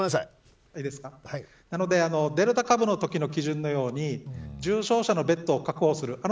なのでデルタ株のときの基準のように重症者のベッドを確保する。